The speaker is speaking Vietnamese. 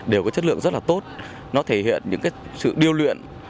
đều có chất lượng rất là tốt nó thể hiện những sự điêu luyện